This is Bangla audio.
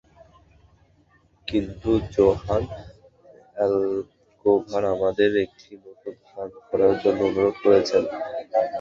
কিন্তু জোহান অ্যালকোভার আমাদের একটি নতুন গান করার জন্য অনুরোধ করেছেন।